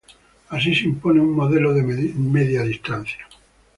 Así se impone un modelo de media distancia